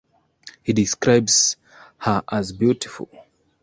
He describes her as beautiful.